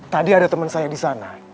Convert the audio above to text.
tadi ada temen saya disana